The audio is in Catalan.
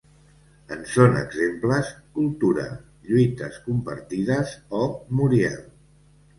En són exemples ‘cultura’, ‘lluites compartides’ o ‘Muriel’.